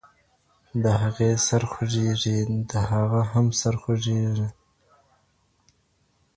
د هغې سر خوږيږي، د هغه هم سر خوږيږي.